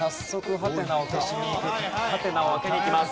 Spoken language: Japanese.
ハテナを開けにいきます。